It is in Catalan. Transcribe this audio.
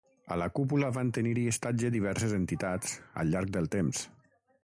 A la cúpula van tenir-hi estatge diverses entitats, al llarg del temps.